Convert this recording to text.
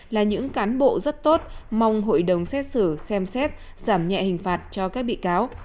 là những cán bộ rất tốt mong hội đồng xét xử xem xét giảm nhẹ hình phạt cho các bị cáo